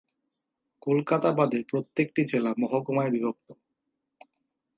কলকাতা বাদে প্রত্যেকটি জেলা মহকুমায় বিভক্ত।